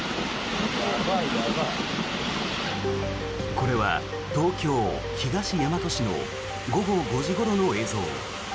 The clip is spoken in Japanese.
これは東京・東大和市の午後５時ごろの映像。